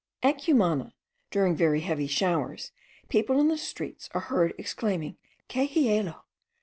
At Cumana, during very heavy showers, people in the streets are heard exclaiming, que hielo!